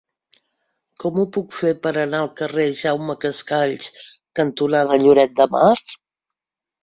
Com ho puc fer per anar al carrer Jaume Cascalls cantonada Lloret de Mar?